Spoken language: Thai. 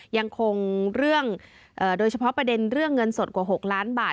ยังคงเรื่องโดยเฉพาะประเด็นเรื่องเงินสดกว่า๖ล้านบาท